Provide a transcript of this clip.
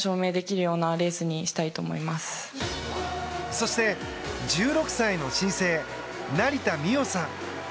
そして、１６歳の新星成田実生さん。